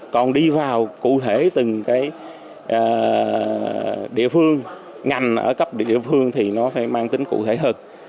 còn đi vào cụ thể từng cái địa phương ngành ở cấp địa phương thì nó phải mang tính cụ thể hơn